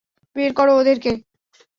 বের করো ওদেরকে!